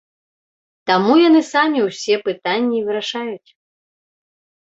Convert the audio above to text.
Таму яны самі ўсе пытанні і вырашаюць.